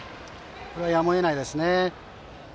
これはやむを得ないですね。